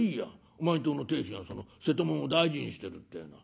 お前んとこの亭主がその瀬戸物を大事にしてるってえのは。